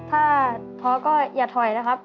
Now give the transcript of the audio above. ถ้าท้อก็อย่าถอยนะครับ